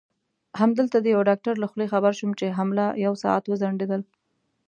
همدلته د یوه ډاکټر له خولې خبر شوم چې حمله یو ساعت وځنډېدل.